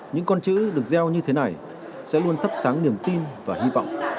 những con chữ được gieo như thế này sẽ luôn thắp sáng niềm tin và hy vọng